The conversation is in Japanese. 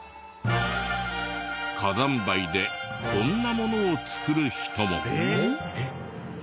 火山灰でこんなものを作る人も。